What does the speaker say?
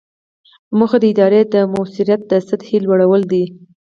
موخه د ادارې د مؤثریت د سطحې لوړول دي.